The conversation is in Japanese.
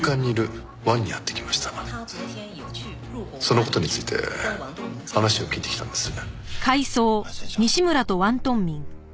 その事について話を聞いてきたんです。